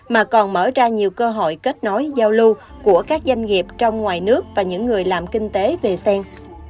mà còn mở ra nhiều cơ hội kết nối giao lưu của các doanh nghiệp trong ngoài nước và những người làm kinh tế về sen